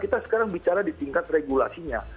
kita sekarang bicara di tingkat regulasinya